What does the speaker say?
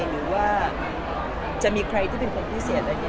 หรือว่าจะมีใครที่เป็นคนพิเศษอะไรอย่างนี้